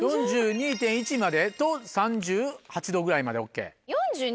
４２．１までと３８℃ぐらいまでＯＫ。